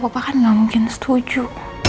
bapak kan gak mungkin setuju